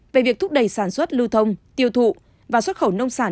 về việc thúc đẩy sản xuất lưu thông tiêu thụ và xuất khẩu nông sản